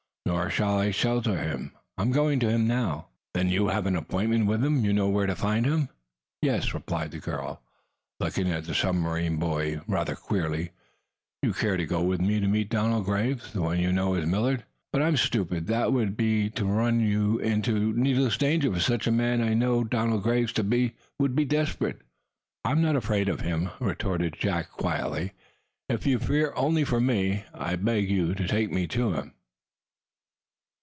"Nor shall I shelter him. I am going to him now!" "Then you have an appointment with him? You know where to find him?" "Yes," replied the girl, looking at the submarine boy rather queerly. "Do you care to go with me to meet Donald Graves the one you knew as Millard? But I am stupid, or worse. That would be to run you into needless danger for such a man as I now know Donald Graves to be would be desperate." "I am not afraid of him," retorted Jack quietly. "If you fear only for me, I beg you to take me to him!"